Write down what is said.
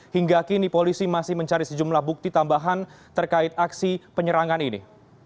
hingga kini polisi masih mencari sejumlah bukti tambahan terkait aksi penyerangan ini